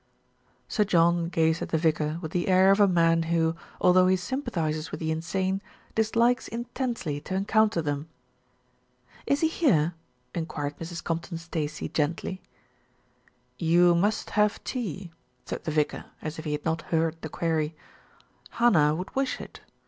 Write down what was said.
Sir John gazed at the vicar with the air of a man who, although he sympathises with the insane, dislikes intensely to encounter them. "Is he here?" enquired Mrs. Compton Stacey gently. "You must have tea," said the vicar, as if he had not heard the query. "Hannah would wish it.